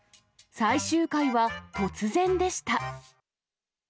最終回は突然でした。